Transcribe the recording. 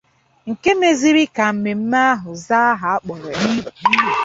nke mezịrị ka mmemme ahụ zaa ahà a kpọrọ ya.